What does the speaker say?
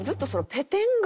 ペテン顔？